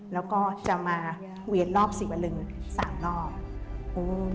แล้วก็จะมาเวียนรอบศรีวลึงสามรอบอืม